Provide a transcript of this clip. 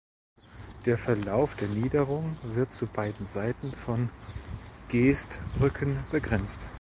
Der Verlauf der Niederung wird zu beiden Seiten von Geestrücken begrenzt.